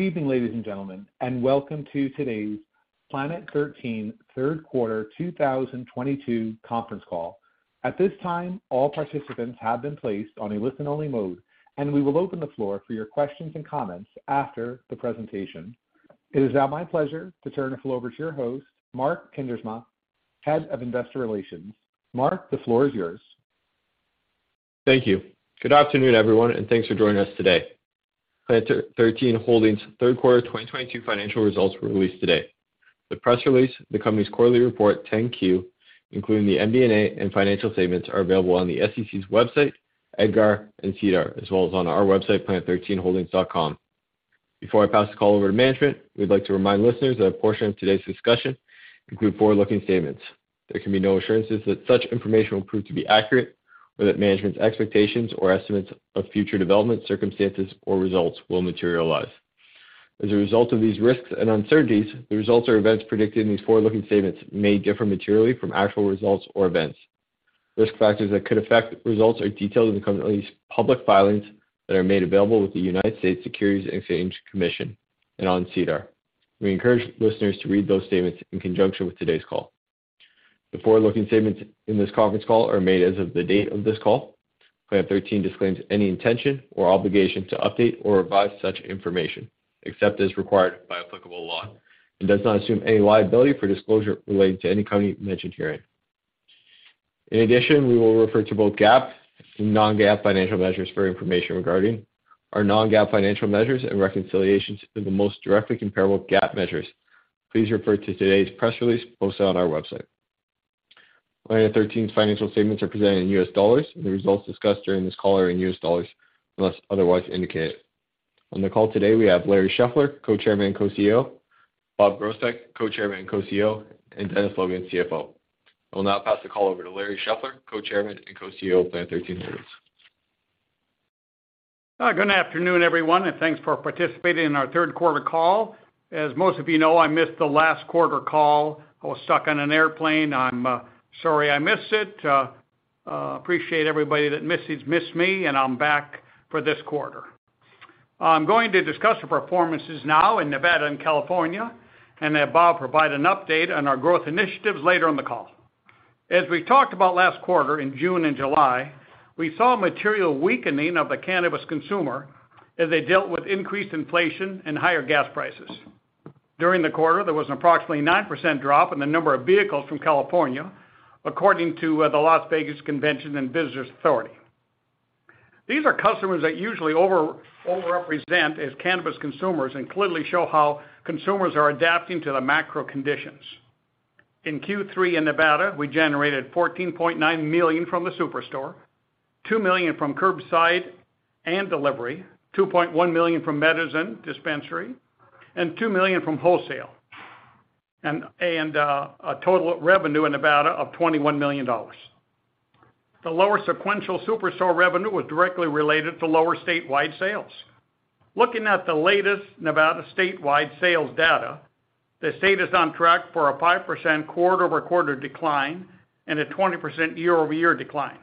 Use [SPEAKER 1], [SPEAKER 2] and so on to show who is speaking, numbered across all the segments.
[SPEAKER 1] Good evening, ladies and gentlemen, and welcome to today's Planet 13 Third Quarter 2022 Conference Call. At this time, all participants have been placed on a listen-only mode, and we will open the floor for your questions and comments after the presentation. It is now my pleasure to turn the floor over to your host, Mark Kuindersma, Head of Investor Relations. Mark, the floor is yours.
[SPEAKER 2] Thank you. Good afternoon, everyone, and thanks for joining us today. Planet 13 Holdings third quarter 2022 financial results were released today. The press release, the company's quarterly report 10-Q, including the MD&A and financial statements, are available on the SEC's website, EDGAR and SEDAR, as well as on our website, planet13holdings.com. Before I pass the call over to management, we'd like to remind listeners that a portion of today's discussion include forward-looking statements. There can be no assurances that such information will prove to be accurate or that management's expectations or estimates of future developments, circumstances, or results will materialize. As a result of these risks and uncertainties, the results or events predicted in these forward-looking statements may differ materially from actual results or events. Risk factors that could affect results are detailed in the company's public filings that are made available with the United States Securities and Exchange Commission and on SEDAR. We encourage listeners to read those statements in conjunction with today's call. The forward-looking statements in this conference call are made as of the date of this call. Planet 13 disclaims any intention or obligation to update or revise such information, except as required by applicable law, and does not assume any liability for disclosure related to any company mentioned herein. In addition, we will refer to both GAAP and non-GAAP financial measures for information regarding our non-GAAP financial measures and reconciliations to the most directly comparable GAAP measures. Please refer to today's press release posted on our website. Planet 13's financial statements are presented in U.S. dollars, and the results discussed during this call are in U.S. dollars, unless otherwise indicated. On the call today, we have Larry Scheffler, Co-Chairman and Co-CEO, Bob Groesbeck, Co-Chairman and Co-CEO, and Dennis Logan, CFO. I will now pass the call over to Larry Scheffler, Co-Chairman and Co-CEO of Planet 13 Holdings.
[SPEAKER 3] Good afternoon, everyone, and thanks for participating in our third quarter call. As most of you know, I missed the last quarter call. I was stuck on an airplane. I'm sorry I missed it. Appreciate everybody that missed me, and I'm back for this quarter. I'm going to discuss the performances now in Nevada and California, and have Bob provide an update on our growth initiatives later in the call. As we talked about last quarter in June and July, we saw a material weakening of the cannabis consumer as they dealt with increased inflation and higher gas prices. During the quarter, there was an approximately 9% drop in the number of vehicles from California, according to the Las Vegas Convention and Visitors Authority. These are customers that usually overrepresent as cannabis consumers and clearly show how consumers are adapting to the macro conditions. In Q3 in Nevada, we generated $14.9 million from the SuperStore, $2 million from curbside and delivery, $2.1 million from Medizin dispensary, and $2 million from wholesale, a total revenue in Nevada of $21 million. The lower sequential SuperStore revenue was directly related to lower statewide sales. Looking at the latest Nevada statewide sales data, the state is on track for a 5% quarter-over-quarter decline and a 20% year-over-year decline.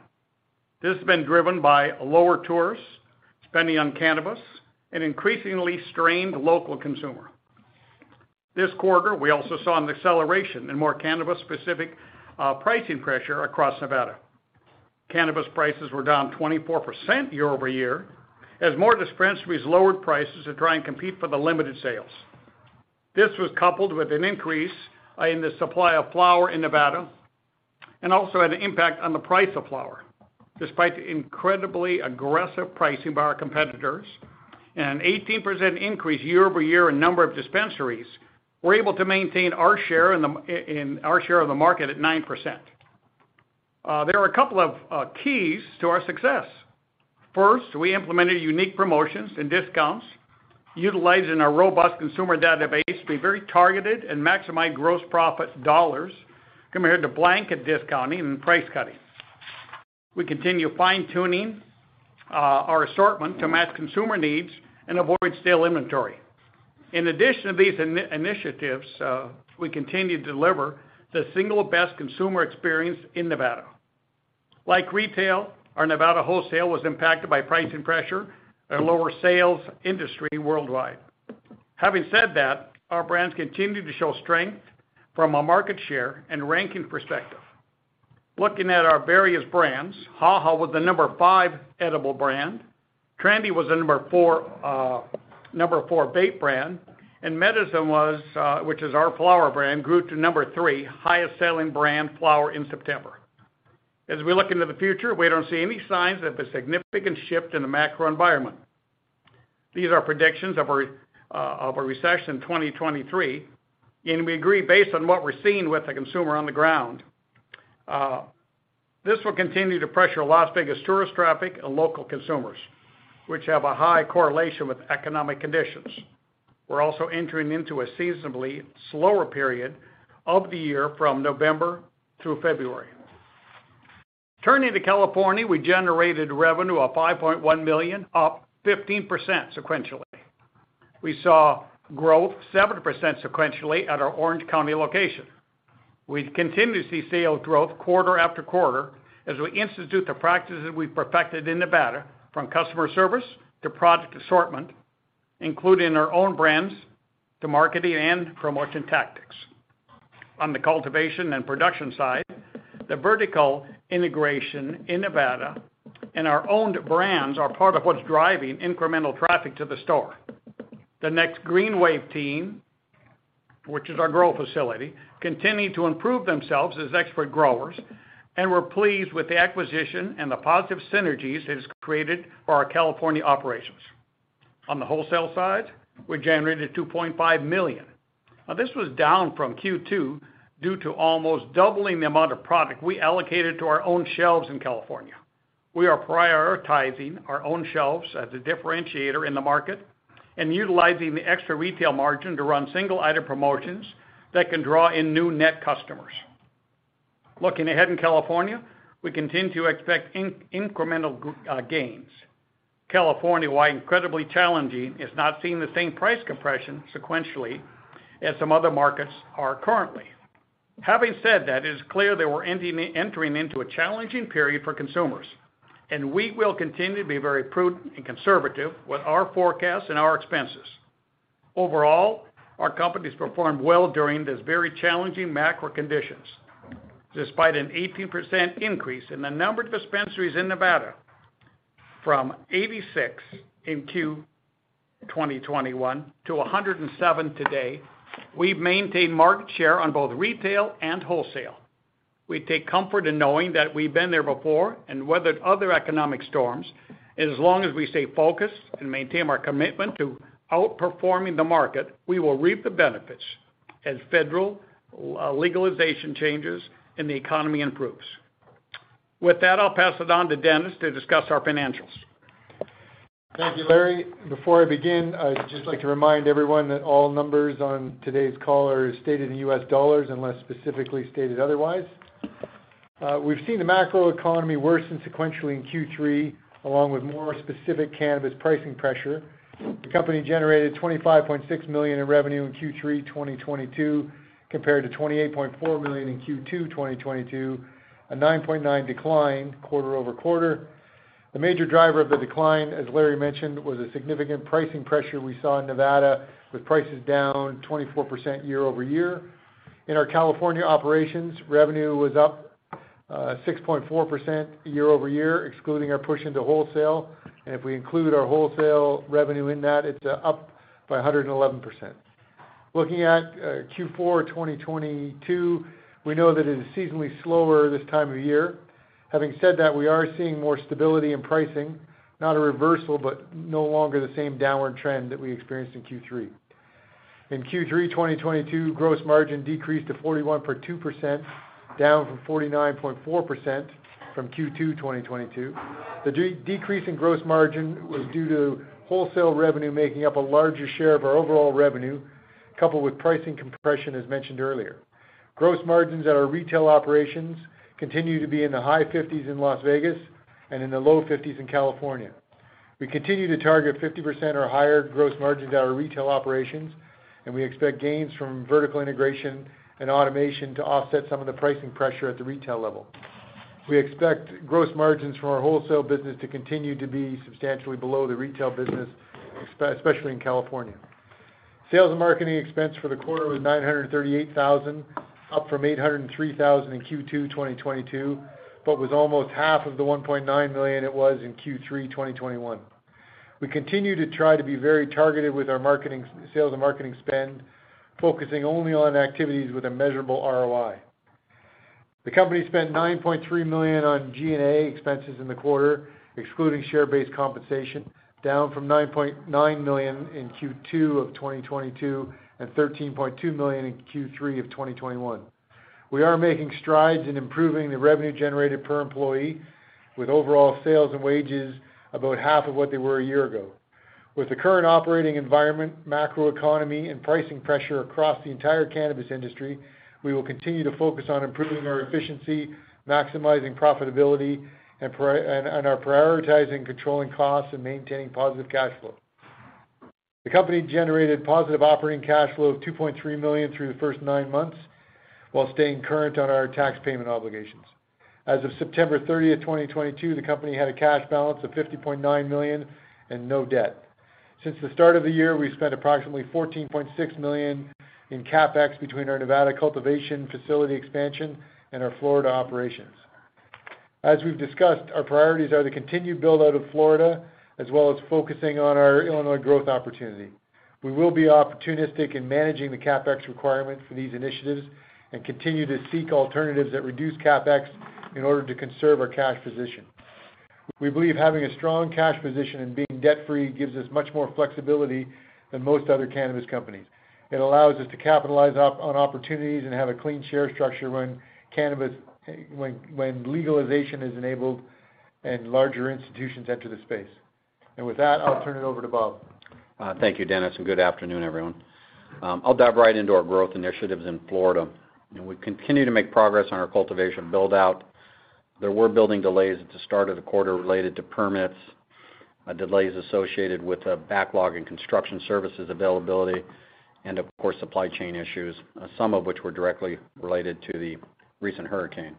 [SPEAKER 3] This has been driven by lower tourists spending on cannabis and increasingly strained local consumer. This quarter, we also saw an acceleration in more cannabis-specific pricing pressure across Nevada. Cannabis prices were down 24% year-over-year as more dispensaries lowered prices to try and compete for the limited sales. This was coupled with an increase in the supply of flower in Nevada and also had an impact on the price of flower. Despite the incredibly aggressive pricing by our competitors and an 18% increase year-over-year in number of dispensaries, we're able to maintain our share of the market at 9%. There are a couple of keys to our success. First, we implemented unique promotions and discounts utilizing our robust consumer database to be very targeted and maximize gross profit dollars compared to blanket discounting and price cutting. We continue fine-tuning our assortment to match consumer needs and avoid stale inventory. In addition to these initiatives, we continue to deliver the single best consumer experience in Nevada. Like retail, our Nevada wholesale was impacted by pricing pressure and lower sales industry world-wide. Having said that, our brands continued to show strength from a market share and ranking perspective. Looking at our various brands, HaHa was the number five edible brand. TRENDI was the number four vape brand. Medizin, which is our flower brand, grew to number three highest selling flower brand in September. As we look into the future, we don't see any signs of a significant shift in the macro environment. These are predictions of a recession in 2023, and we agree based on what we're seeing with the consumer on the ground. This will continue to pressure Las Vegas tourist traffic and local consumers, which have a high correlation with economic conditions. We're also entering into a seasonally slower period of the year from November through February. Turning to California, we generated revenue of $5.1 million, up 15% sequentially. We saw growth 7% sequentially at our Orange County location. We continue to see sales growth quarter after quarter as we institute the practices we perfected in Nevada, from customer service to product assortment, including our own brands to marketing and promotion tactics. On the cultivation and production side, the vertical integration in Nevada and our owned brands are part of what's driving incremental traffic to the store. The Next Green Wave team, which is our grow facility, continue to improve themselves as expert growers, and we're pleased with the acquisition and the positive synergies it has created for our California operations. On the wholesale side, we generated $2.5 million. Now, this was down from Q2 due to almost doubling the amount of product we allocated to our own shelves in California. We are prioritizing our own shelves as a differentiator in the market and utilizing the extra retail margin to run single-item promotions that can draw in new net customers. Looking ahead in California, we continue to expect incremental gains. California, while incredibly challenging, is not seeing the same price compression sequentially as some other markets are currently. Having said that, it is clear that we're entering into a challenging period for consumers, and we will continue to be very prudent and conservative with our forecasts and our expenses. Overall, our company's performed well during these very challenging macro conditions. Despite an 18% increase in the number of dispensaries in Nevada from 86 in Q 2021 to 107 today, we've maintained market share on both retail and wholesale. We take comfort in knowing that we've been there before and weathered other economic storms, and as long as we stay focused and maintain our commitment to outperforming the market, we will reap the benefits as federal legalization changes and the economy improves. With that, I'll pass it on to Dennis to discuss our financials.
[SPEAKER 4] Thank you, Larry. Before I begin, I'd just like to remind everyone that all numbers on today's call are stated in U.S. dollars unless specifically stated otherwise. We've seen the macroeconomy worsen sequentially in Q3, along with more specific cannabis pricing pressure. The company generated $25.6 million in revenue in Q3 2022 compared to $28.4 million in Q2 2022, a 9.9% decline quarter-over-quarter. The major driver of the decline, as Larry mentioned, was the significant pricing pressure we saw in Nevada, with prices down 24% year-over-year. In our California operations, revenue was up 6.4% year-over-year, excluding our push into wholesale. If we include our wholesale revenue in that, it's up by 111%. Looking at Q4 2022, we know that it is seasonally slower this time of year. Having said that, we are seeing more stability in pricing, not a reversal, but no longer the same downward trend that we experienced in Q3. In Q3 2022, gross margin decreased to 41.2%, down from 49.4% from Q2 2022. The decrease in gross margin was due to wholesale revenue making up a larger share of our overall revenue, coupled with pricing compression, as mentioned earlier. Gross margins at our retail operations continue to be in the high-50s in Las Vegas and in the low-50s in California. We continue to target 50% or higher gross margins at our retail operations, and we expect gains from vertical integration and automation to offset some of the pricing pressure at the retail level. We expect gross margins from our wholesale business to continue to be substantially below the retail business, especially in California. Sales and marketing expense for the quarter was $938,000 up from $803,000 in Q2 2022, but was almost half of the $1.9 million it was in Q3 2021. We continue to try to be very targeted with our marketing sales and marketing spend, focusing only on activities with a measurable ROI. The company spent $9.3 million on G&A expenses in the quarter, excluding share-based compensation, down from $9.9 million in Q2 of 2022 and $13.2 million in Q3 of 2021. We are making strides in improving the revenue generated per employee, with overall sales and wages about half of what they were a year ago. With the current operating environment, macroeconomy, and pricing pressure across the entire cannabis industry, we will continue to focus on improving our efficiency, maximizing profitability, and are prioritizing controlling costs and maintaining positive cash flow. The company generated positive operating cash flow of $2.3 million through the first nine months while staying current on our tax payment obligations. As of September 30th, 2022, the company had a cash balance of $50.9 million and no debt. Since the start of the year, we've spent approximately $14.6 million in CapEx between our Nevada cultivation facility expansion and our Florida operations. As we've discussed, our priorities are the continued build-out of Florida as well as focusing on our Illinois growth opportunity. We will be opportunistic in managing the CapEx requirement for these initiatives and continue to seek alternatives that reduce CapEx in order to conserve our cash position. We believe having a strong cash position and being debt-free gives us much more flexibility than most other cannabis companies. It allows us to capitalize on opportunities and have a clean share structure when legalization is enabled and larger institutions enter the space. With that, I'll turn it over to Bob.
[SPEAKER 5] Thank you, Dennis, and good afternoon, everyone. I'll dive right into our growth initiatives in Florida. You know, we continue to make progress on our cultivation build-out. There were building delays at the start of the quarter related to permits. Delays associated with a backlog in construction services availability and of course, supply chain issues, some of which were directly related to the recent hurricane.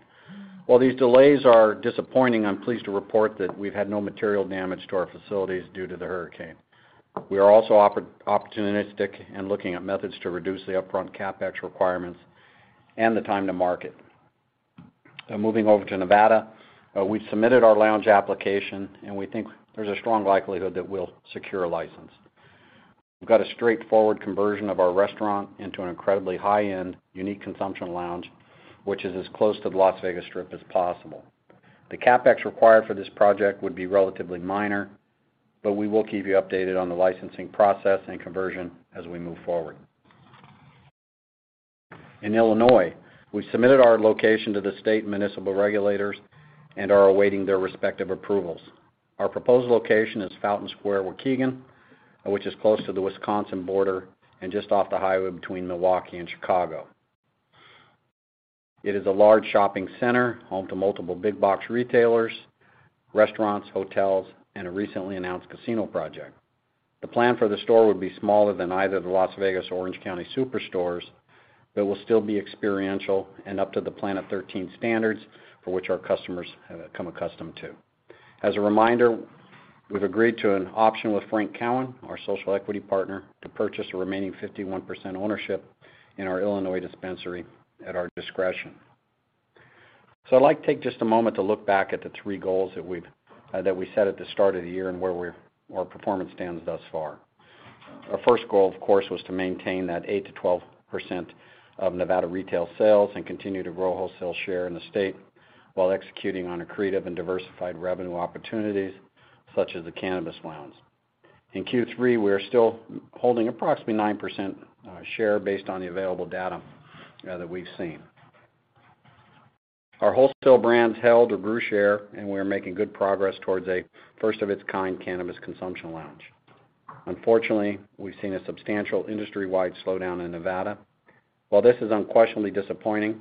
[SPEAKER 5] While these delays are disappointing, I'm pleased to report that we've had no material damage to our facilities due to the hurricane. We are also opportunistic and looking at methods to reduce the upfront CapEx requirements and the time to market. Moving over to Nevada, we submitted our lounge application, and we think there's a strong likelihood that we'll secure a license. We've got a straightforward conversion of our restaurant into an incredibly high-end, unique consumption lounge, which is as close to the Las Vegas Strip as possible. The CapEx required for this project would be relatively minor, but we will keep you updated on the licensing process and conversion as we move forward. In Illinois, we submitted our location to the state municipal regulators and are awaiting their respective approvals. Our proposed location is Fountain Square, Waukegan, which is close to the Wisconsin border and just off the highway between Milwaukee and Chicago. It is a large shopping center, home to multiple big box retailers, restaurants, hotels, and a recently announced casino project. The plan for the store would be smaller than either the Las Vegas or Orange County SuperStores, but will still be experiential and up to the Planet 13 standards for which our customers have come accustomed to. As a reminder, we've agreed to an option with Frank Cowan, our social equity partner, to purchase a remaining 51% ownership in our Illinois dispensary at our discretion. I'd like to take just a moment to look back at the three goals that we set at the start of the year and where our performance stands thus far. Our first goal, of course, was to maintain that 8%-12% of Nevada retail sales and continue to grow wholesale share in the state while executing on accretive and diversified revenue opportunities such as the cannabis lounge. In Q3, we are still holding approximately 9% share based on the available data that we've seen. Our wholesale brands held or grew share, and we are making good progress towards a first of its kind cannabis consumption lounge. Unfortunately, we've seen a substantial industry-wide slowdown in Nevada. While this is unquestionably disappointing,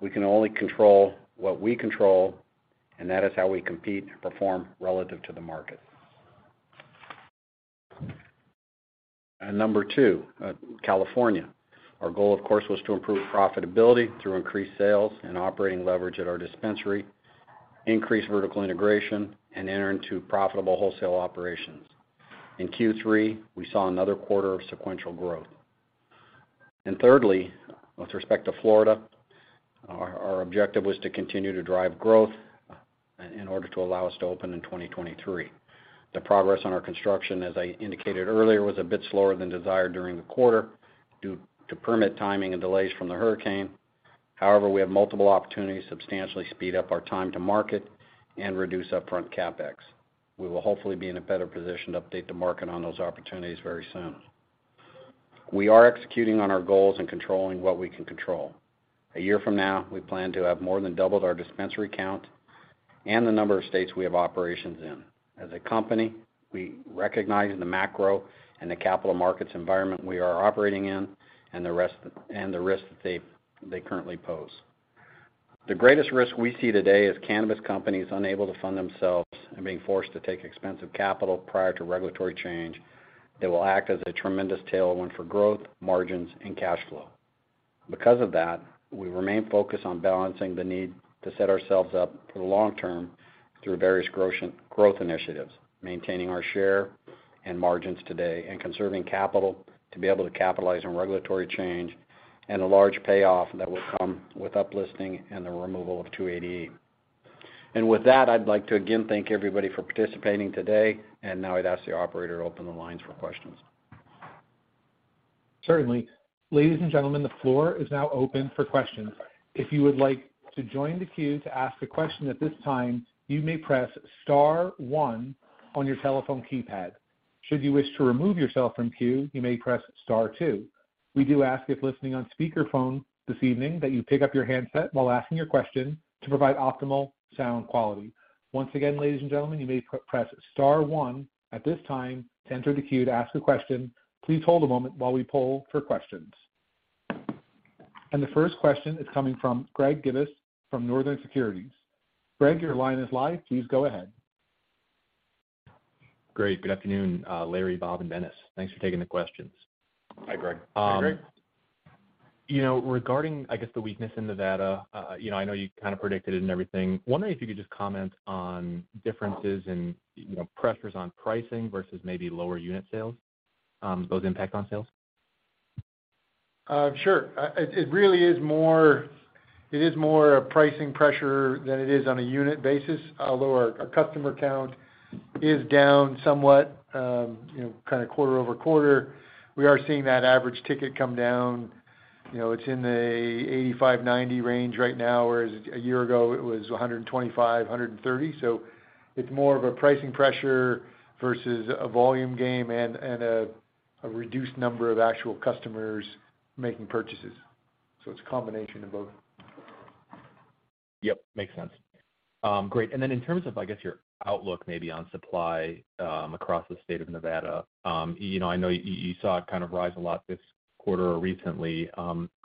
[SPEAKER 5] we can only control what we control, and that is how we compete and perform relative to the market. Number two, California. Our goal, of course, was to improve profitability through increased sales and operating leverage at our dispensary, increase vertical integration, and enter into profitable wholesale operations. In Q3, we saw another quarter of sequential growth. Thirdly, with respect to Florida, our objective was to continue to drive growth in order to allow us to open in 2023. The progress on our construction, as I indicated earlier, was a bit slower than desired during the quarter due to permit timing and delays from the hurricane. However, we have multiple opportunities to substantially speed up our time to market and reduce upfront CapEx. We will hopefully be in a better position to update the market on those opportunities very soon. We are executing on our goals and controlling what we can control. A year from now, we plan to have more than doubled our dispensary count and the number of states we have operations in. As a company, we recognize the macro and the capital markets environment we are operating in and the risks they currently pose. The greatest risk we see today is cannabis companies unable to fund themselves and being forced to take expensive capital prior to regulatory change that will act as a tremendous tailwind for growth, margins, and cash flow. Because of that, we remain focused on balancing the need to set ourselves up for the long term through various growth initiatives, maintaining our share and margins today, and conserving capital to be able to capitalize on regulatory change and a large payoff that will come with up-listing and the removal of 280E. With that, I'd like to again thank everybody for participating today. Now I'd ask the operator to open the lines for questions.
[SPEAKER 1] Certainly. Ladies and gentlemen, the floor is now open for questions. If you would like to join the queue to ask a question at this time, you may press star one on your telephone keypad. Should you wish to remove yourself from queue, you may press star two. We do ask, if listening on speakerphone this evening, that you pick up your handset while asking your question to provide optimal sound quality. Once again, ladies and gentlemen, you may press star one at this time to enter the queue to ask a question. Please hold a moment while we poll for questions. The first question is coming from Greg Gibas from Northland Securities. Greg, your line is live. Please go ahead.
[SPEAKER 6] Great. Good afternoon, Larry, Bob, and Dennis. Thanks for taking the questions.
[SPEAKER 5] Hi, Greg.
[SPEAKER 3] Hey, Greg.
[SPEAKER 6] You know, regarding, I guess, the weakness in Nevada, you know, I know you kind of predicted it and everything. Wondering if you could just comment on differences in, you know, pressures on pricing versus maybe lower unit sales, those impact on sales?
[SPEAKER 4] Sure. It is more a pricing pressure than it is on a unit basis. Although our customer count is down somewhat, you know, kind of quarter-over-quarter, we are seeing that average ticket come down. You know, it's in the 85-90 range right now, whereas a year ago it was 125-130. It's more of a pricing pressure versus a volume game and a reduced number of actual customers making purchases. It's a combination of both.
[SPEAKER 6] Yep. Makes sense. Great. In terms of, I guess, your outlook maybe on supply, across the state of Nevada, you know, I know you saw it kind of rise a lot this quarter or recently.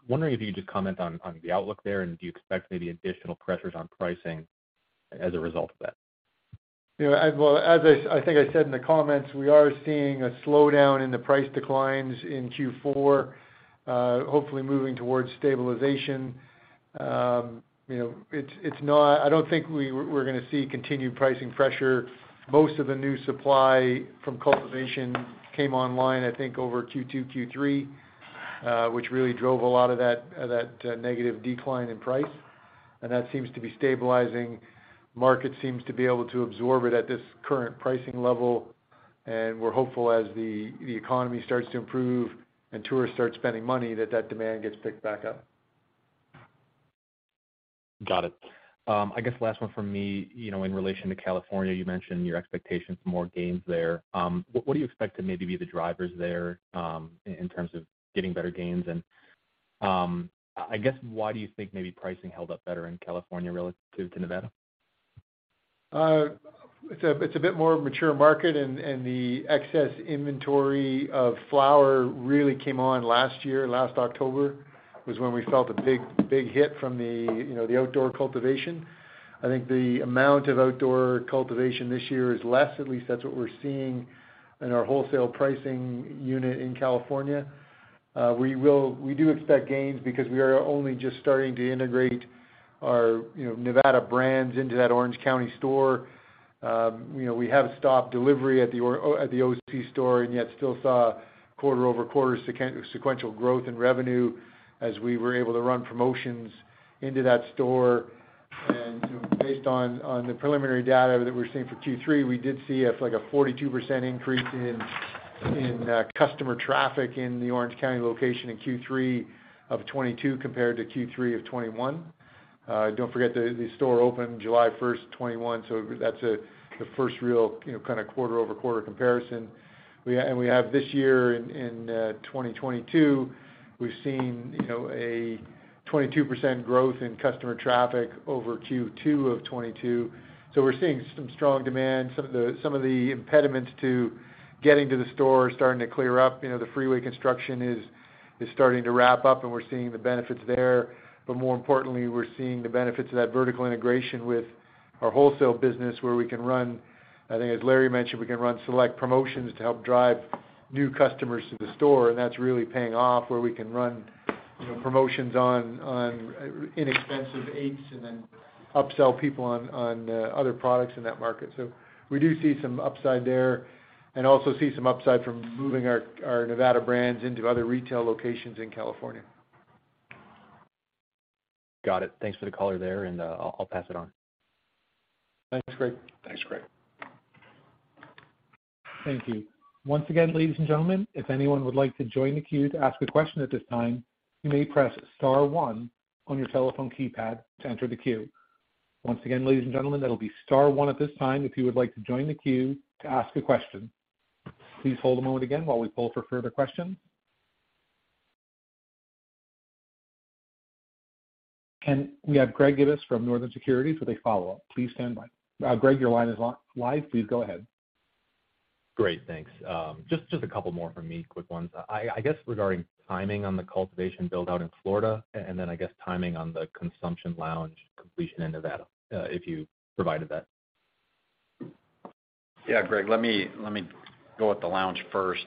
[SPEAKER 6] Wondering if you could just comment on the outlook there, and do you expect maybe additional pressures on pricing as a result of that?
[SPEAKER 4] You know, as well, as I think I said in the comments, we are seeing a slowdown in the price declines in Q4, hopefully moving towards stabilization. You know, it's not. I don't think we're gonna see continued pricing pressure. Most of the new supply from cultivation came online, I think, over Q2, Q3, which really drove a lot of that negative decline in price. That seems to be stabilizing. Market seems to be able to absorb it at this current pricing level, and we're hopeful as the economy starts to improve and tourists start spending money, that demand gets picked back up.
[SPEAKER 6] Got it. I guess last one from me, you know, in relation to California, you mentioned your expectations for more gains there. What do you expect to maybe be the drivers there, in terms of getting better gains? I guess why do you think maybe pricing held up better in California relative to Nevada?
[SPEAKER 4] It's a bit more mature market and the excess inventory of flower really came on last year. Last October was when we felt a big hit from the, you know, the outdoor cultivation. I think the amount of outdoor cultivation this year is less, at least that's what we're seeing in our wholesale pricing unit in California. We do expect gains because we are only just starting to integrate our, you know, Nevada brands into that Orange County store. You know, we have stopped delivery at the OC store, and yet still saw quarter-over-quarter sequential growth in revenue as we were able to run promotions into that store. Based on the preliminary data that we're seeing for Q3, we did see like a 42% increase in customer traffic in the Orange County location in Q3 of 2022 compared to Q3 of 2021. Don't forget the store opened July 1st, 2021, so that's the first real, you know, kind of quarter-over-quarter comparison. We have this year in 2022, we've seen, you know, a 22% growth in customer traffic over Q2 of 2022. We're seeing some strong demand. Some of the impediments to getting to the store are starting to clear up. You know, the freeway construction is starting to wrap up and we're seeing the benefits there. More importantly, we're seeing the benefits of that vertical integration with our wholesale business where we can run, I think as Larry mentioned, select promotions to help drive new customers to the store, and that's really paying off, where we can run, you know, promotions on inexpensive eighths and then upsell people on other products in that market. We do see some upside there, and also see some upside from moving our Nevada brands into other retail locations in California.
[SPEAKER 6] Got it. Thanks for the color there, and I'll pass it on.
[SPEAKER 4] Thanks, Greg.
[SPEAKER 5] Thanks, Greg.
[SPEAKER 1] Thank you. Once again, ladies and gentlemen, if anyone would like to join the queue to ask a question at this time, you may press star one on your telephone keypad to enter the queue. Once again, ladies and gentlemen, that'll be star one at this time if you would like to join the queue to ask a question. Please hold a moment again while we pull for further questions. We have Greg Gibas from Northland Securities with a follow-up. Please stand by. Greg, your line is live. Please go ahead.
[SPEAKER 6] Great, thanks. Just a couple more from me, quick ones. I guess regarding timing on the cultivation build-out in Florida, and then I guess timing on the consumption lounge completion in Nevada, if you provided that?
[SPEAKER 5] Yeah, Greg, let me go with the lounge first.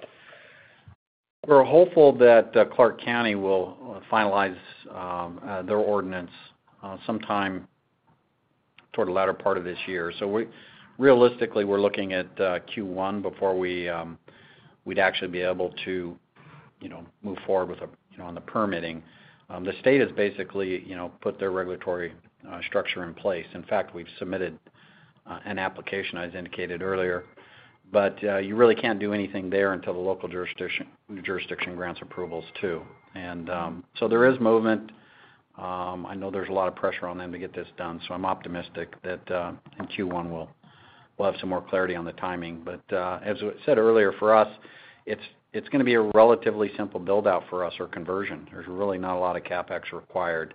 [SPEAKER 5] We're hopeful that Clark County will finalize their ordinance sometime toward the latter part of this year. Realistically, we're looking at Q1 before we'd actually be able to, you know, move forward with, you know, on the permitting. The state has basically, you know, put their regulatory structure in place. In fact, we've submitted an application, as indicated earlier. You really can't do anything there until the local jurisdiction grants approvals too. There is movement. I know there's a lot of pressure on them to get this done, so I'm optimistic that in Q1 we'll have some more clarity on the timing. As I said earlier, for us, it's gonna be a relatively simple build-out for us or conversion. There's really not a lot of CapEx required.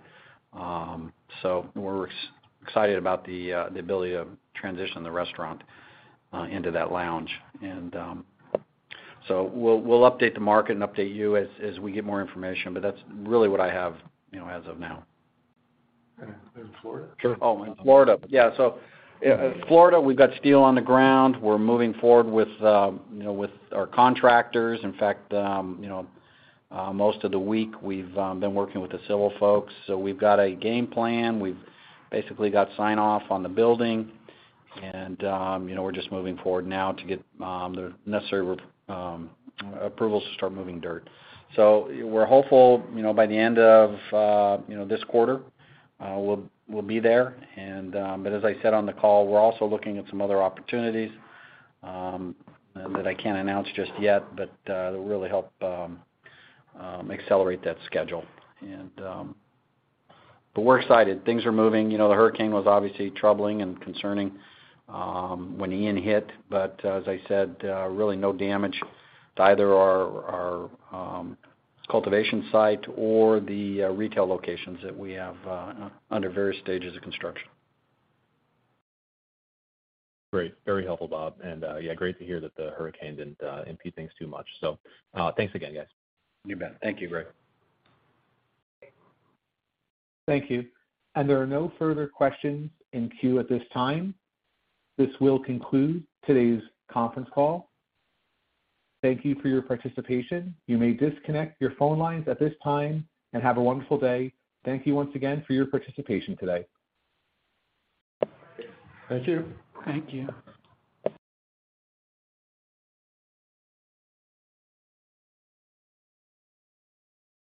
[SPEAKER 5] We're excited about the ability to transition the restaurant into that lounge. We'll update the market and update you as we get more information, but that's really what I have, you know, as of now.
[SPEAKER 4] In Florida?
[SPEAKER 5] Sure. Oh, in Florida. Yeah. Florida, we've got steel on the ground. We're moving forward with, you know, with our contractors. In fact, you know, most of the week, we've been working with the civil folks. We've got a game plan. We've basically got sign-off on the building and, you know, we're just moving forward now to get the necessary approvals to start moving dirt. We're hopeful, you know, by the end of this quarter, we'll be there. As I said on the call, we're also looking at some other opportunities that I can't announce just yet, but that'll really help accelerate that schedule. We're excited. Things are moving. You know, Hurricane Ian was obviously troubling and concerning when it hit. As I said, really no damage to either our cultivation site or the retail locations that we have under various stages of construction.
[SPEAKER 6] Great. Very helpful, Bob. Yeah, great to hear that the hurricane didn't impede things too much. Thanks again, guys.
[SPEAKER 5] You bet. Thank you, Greg.
[SPEAKER 1] Thank you. There are no further questions in queue at this time. This will conclude today's conference call. Thank you for your participation. You may disconnect your phone lines at this time, and have a wonderful day. Thank you once again for your participation today.
[SPEAKER 4] Thank you.
[SPEAKER 3] Thank you.